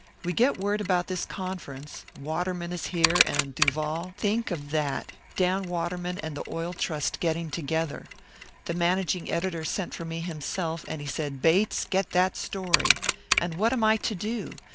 We get word about this conference. Waterman is here and Duval think of that! Dan Waterman and the Oil Trust getting together! The managing editor sent for me himself, and he said, 'Bates, get that story.' And what am I to do?